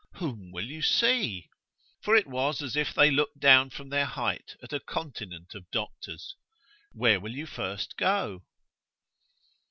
"Whom will you see?" for it was as if they looked down from their height at a continent of doctors. "Where will you first go?"